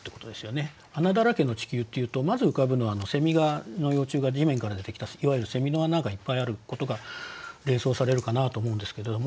「穴だらけの地球」っていうとまず浮かぶのはの幼虫が地面から出てきたいわゆるの穴がいっぱいあることが連想されるかなと思うんですけれども。